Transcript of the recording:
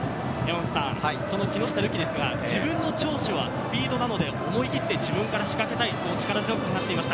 木下瑠己ですが、自分の長所はスピードなので、思い切って自分から仕掛けたい、そう力強く話していました。